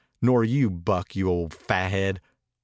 Nor you, Buck, you old fathead.